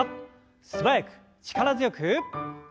素早く力強く。